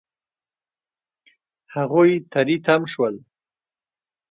هغوی تری تم شول.